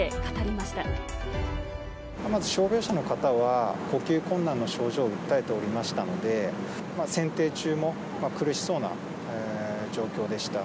まず傷病者の方は呼吸困難の症状を訴えておりましたので、選定中も苦しそうな状況でした。